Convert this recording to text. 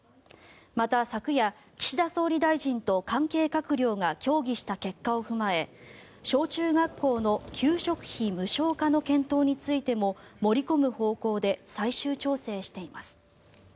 また、昨夜、岸田総理大臣と関係閣僚が協議した結果を踏まえ小中学校の給食費無償化の検討についても盛り込む方向で最終調整しています。